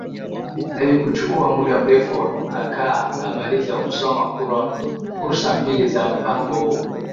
Haikuchukua muda mrefu akaa ammaliza kusoma kursa mbili za mpango huo